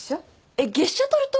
えっ月謝取ると？